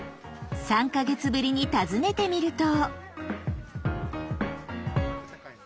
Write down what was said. ３か月ぶりに訪ねてみると。